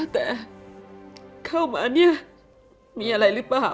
แต่เข้ามาเนี่ยมีอะไรหรือเปล่า